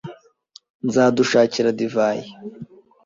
Nzadushakira divayi.